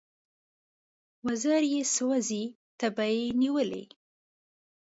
وزر یې سوزي تبې نیولی